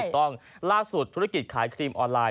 ถูกต้องล่าสุดธุรกิจขายครีมออนไลน์